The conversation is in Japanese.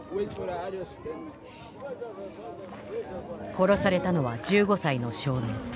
殺されたのは１５歳の少年。